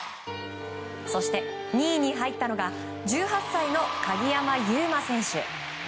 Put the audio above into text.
そして２位に入ったのが１８歳の鍵山優真選手。